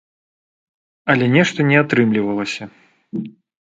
Але нешта не атрымлівалася.